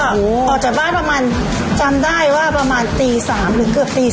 ออกจากบ้านประมาณจำได้ว่าประมาณตี๓หรือเกือบตี๓